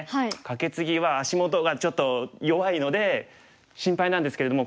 カケツギは足元がちょっと弱いので心配なんですけれども。